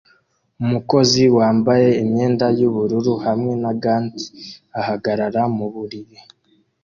Umukozi wambaye imyenda yubururu hamwe na gants ahagarara muburiri